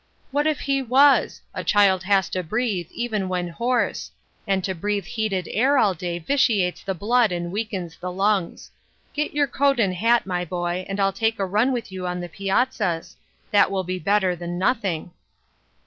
" What if he was ? A child has to breathe, even when hoarse ; and to breathe heated air all day vitiates the blood and weakens the lungs. Get your coat and hat, my boy, and I'll take a run with you on the piazzas ; that will be better than nothing."